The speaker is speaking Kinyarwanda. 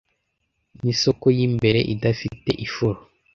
N'isoko y'imbere idafite ifuro